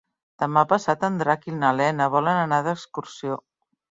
Demà passat en Drac i na Lena volen anar d'excursió.